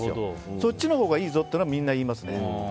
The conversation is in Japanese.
そっちのほうがいいぞっていうのはみんな言いますね。